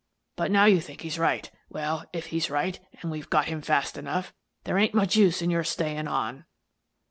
But now you think he's right. Well, if he's right and we've got him fast enough, there ain't much use in your staying on."